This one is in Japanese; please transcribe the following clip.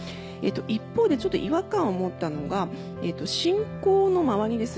一方でちょっと違和感を持ったのが進行の周りです。